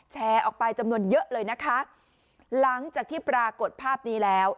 แชร์ออกไปจำนวนเยอะเลยนะคะหลังจากที่ปรากฏภาพนี้แล้ว